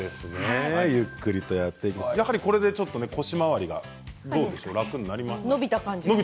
これで腰回りが楽になりますか？